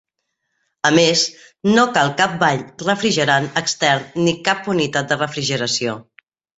A més, no cal cap bany refrigerant extern ni cap unitat de refrigeració.